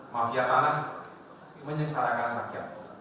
mafiatan itu menyesalakan rakyat